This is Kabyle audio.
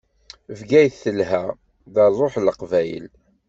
Bgayet telha, d ṛṛuḥ n Leqbayel.